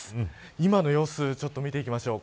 今の様子を見ていきましょう。